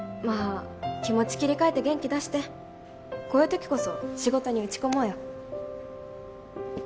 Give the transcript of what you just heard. まあ気持ち切り替えて元気出してこういう時こそ仕事に打ち込もうよ